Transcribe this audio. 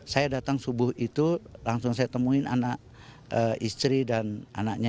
saya datang subuh itu langsung saya temuin anak istri dan anaknya